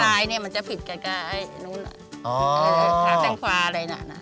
ไลน์มันจะผิดกับขาข้างขวาอะไรนะ